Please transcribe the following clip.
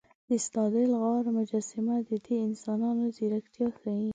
د ستادل غار مجسمه د دې انسانانو ځیرکتیا ښيي.